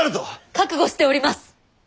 覚悟しております！